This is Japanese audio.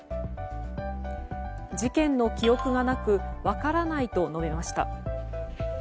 事件の記憶がなく分からないと述べました。